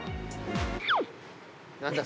何だ？